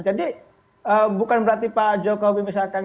jadi bukan berarti pak jokowi misalkan